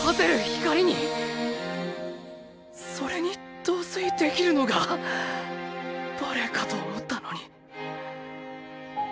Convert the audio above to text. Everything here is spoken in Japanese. それに陶酔できるのがバレエかと思ったのに。